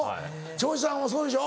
長州さんもそうでしょ？